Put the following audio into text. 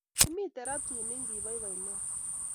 Kimiten raaa tumin kiboiboi nea